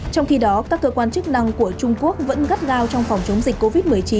trong khi đó các cơ quan chức năng của trung quốc vẫn gắt gao trong phòng chống dịch covid một mươi chín